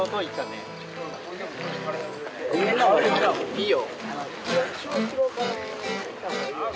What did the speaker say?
いいよ。